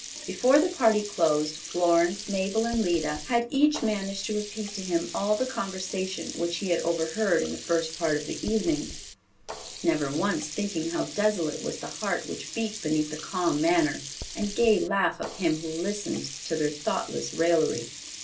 Before the party closed, Florence, Mabel and Lida had each managed to repeat to him all the conversation which he had overheard in the first part of the evening, never once thinking how desolate was the heart which beat beneath the calm manner and gay laugh of him who listened to their thoughtless raillery.